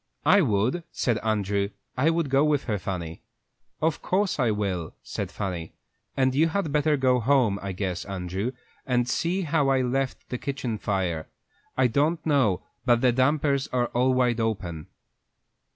"I would," said Andrew "I would go with her, Fanny." "Of course I will," said Fanny; "and you had better go home, I guess, Andrew, and see how I left the kitchen fire. I don't know but the dampers are all wide open."